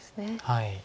はい。